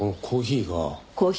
コーヒー？